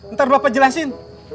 ntar bapak jelasin